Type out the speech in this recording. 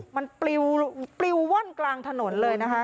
มันปลิวว่อนกลางถนนเลยนะคะ